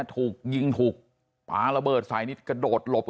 ถูกยิงถูกปลาระเบิดใส่นี่กระโดดหลบ